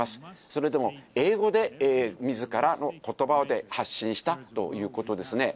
それでも英語でみずからのことばで発信したということですね。